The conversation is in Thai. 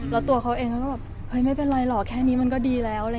แล้วตัวเขาเองเขาก็แบบเฮ้ยไม่เป็นไรหรอกแค่นี้มันก็ดีแล้ว